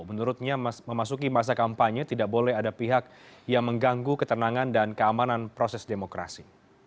menurutnya memasuki masa kampanye tidak boleh ada pihak yang mengganggu ketenangan dan keamanan proses demokrasi